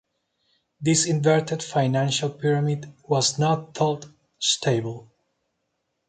This inverted financial pyramid was not thought stable.